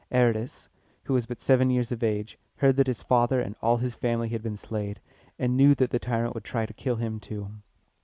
Aratus, who was but seven years of age, heard that his father and all his family had been slain, and knew that the tyrant would try to kill him too.